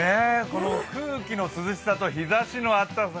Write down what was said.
この空気の涼しさと日ざしの暖かさ